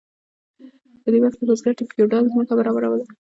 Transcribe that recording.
په دې وخت کې بزګر د فیوډال ځمکه برابروله.